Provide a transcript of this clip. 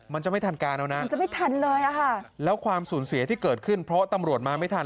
มันจะไม่ทันการแล้วนะแล้วความสูญเสียที่เกิดขึ้นเพราะตำรวจมาไม่ทัน